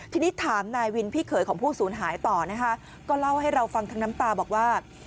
ทีนี้ถามนายวินพี่เขยของผู้สูญหายต่อนะคะก็เล่าให้เราฟังทั้งน้ำตาบอกว่า